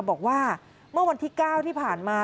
บอกว่าเมื่อวันที่๙ที่ผ่านมา